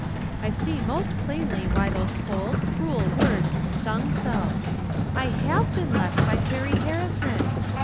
I see most plainly why those cold, cruel words stung so. I have been left by Perry Harrison